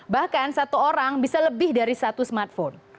bahkan satu orang bisa lebih dari satu smartphone